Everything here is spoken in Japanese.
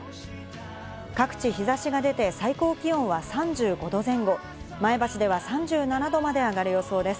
各地、日差しが出て最高気温は３５度前後、前橋では３７℃まで上がる予想です。